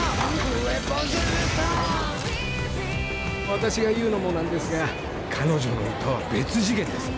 「私が言うのも何ですが彼女の歌は別次元です」